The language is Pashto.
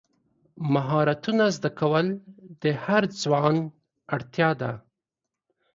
مهارتونه زده کول د هر ځوان اړتیا ده.